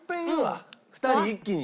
２人一気に？